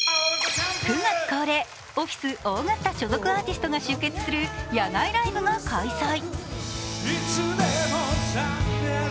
９月恒例、オフィスオーガスタ所属アーティストが集結する野外ライブが開催。